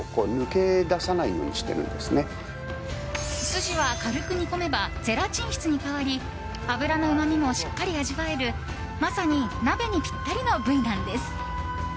筋は、軽く煮込めばゼラチン質に変わり脂のうまみもしっかり味わえるまさに鍋にぴったりの部位なんです。